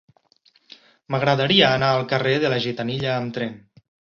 M'agradaria anar al carrer de la Gitanilla amb tren.